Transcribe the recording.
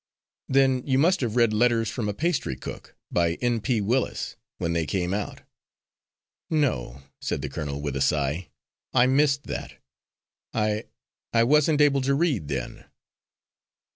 "Then you must have read 'Letters from a Pastry Cook,' by N.P. Willis when they came out?" "No," said the colonel with a sigh, "I missed that. I I wasn't able to read then."